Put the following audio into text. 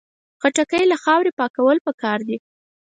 خټکی له خاورې پاکول پکار دي.